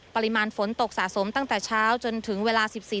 ปริมาณฝนตกสะสมตั้งแต่เช้าจนถึงเวลา๑๔